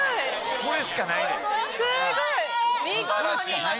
これしかない。